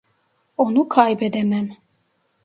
Onu kaybedemem.